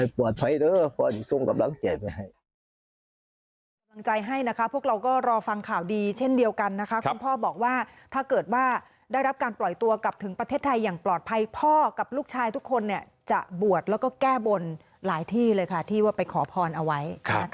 เพราะว่าอันนี้ส่วนกำลังเก่งมาให้